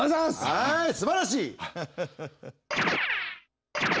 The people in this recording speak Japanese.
はいすばらしい！